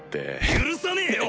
許さねえよ